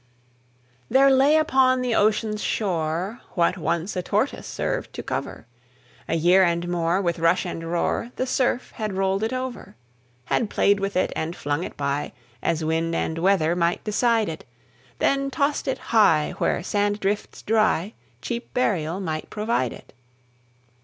(1819 91.) There lay upon the ocean's shore What once a tortoise served to cover; A year and more, with rush and roar, The surf had rolled it over, Had played with it, and flung it by, As wind and weather might decide it, Then tossed it high where sand drifts dry Cheap burial might provide it.